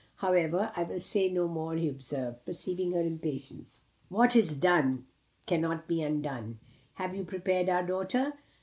However, I will say no more," he observed, perceiving her impatience. "What is done cannot be undone. Have you prepared our daughter?